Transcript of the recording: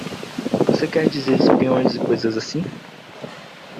Você quer dizer espiões e coisas assim?